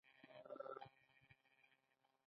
سکټوري وزارتونو لپاره به الزامي نه وي.